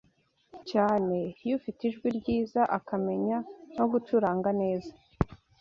cyane y’ufite ijwi ryiza akamenya no gucuranga neza